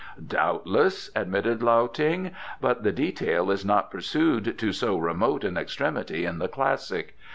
"Doubtless," admitted Lao Ting, "but the detail is not pursued to so remote an extremity in the Classic.